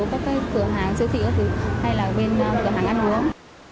hay là bên cửa hàng ăn uống